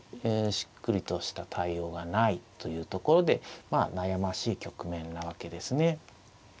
しっくりとした対応がないというところでまあ悩ましい局面なわけですね。